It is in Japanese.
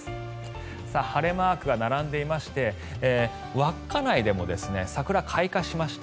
晴れマークが並んでいまして稚内でも桜、開花しました。